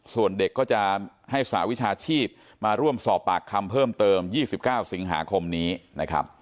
ส่วนเด็กก็จะให้สหวิชาชีพมาร่วมสอบปากคำเพิ่มเติม๒๙สิงหาคมนี้นะครับ